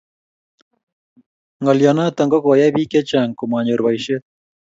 Ngalyo notok ko koyai biik chechang komanyor boishet